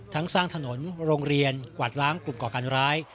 สร้างถนนโรงเรียนกวาดล้างกลุ่มก่อการร้าย